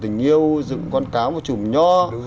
dựng tình yêu dựng quán cáo một chùm nho